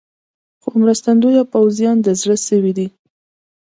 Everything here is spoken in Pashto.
خو مرستندویه پوځیان د زړه سوي دي.